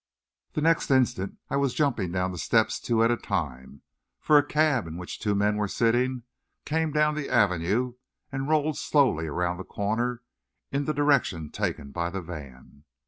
The next instant, I was jumping down the steps two at a time, for a cab in which two men were sitting came down the Avenue, and rolled slowly around the corner in the direction taken by the van.